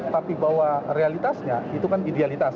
tapi bahwa realitasnya itu kan idealitas